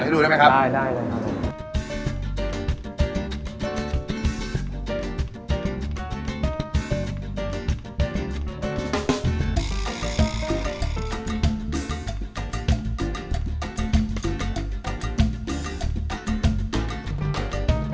ได้ได้เลยครับ